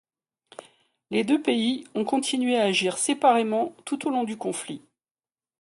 Les deux pays ont continué à agir séparément tout au long du conflit.